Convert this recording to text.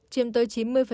chiêm tới chín mươi